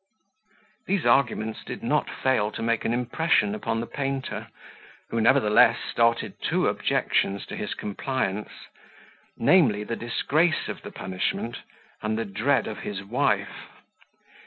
These arguments did not fail to make impression upon the painter, who nevertheless started two objections to his compliance; namely, the disgrace of the punishment, and the dread of his wife.